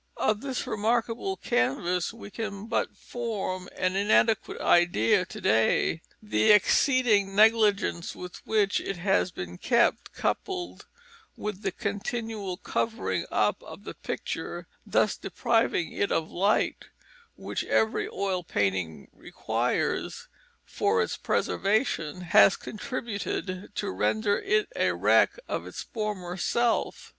Of this remarkable canvas we can but form an inadequate idea to day. The exceeding negligence with which it has been kept, coupled with the continual covering up of the picture, thus depriving it of light, which every oil painting requires for its preservation, has contributed to render it a wreck of its former self.